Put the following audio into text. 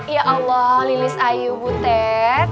ya allah lilis ayu butet